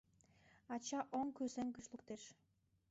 Ача оҥ кӱсен гыч луктеш.